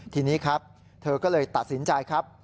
ทีนี้ครับเธอก็เลยตัดสินใจครับ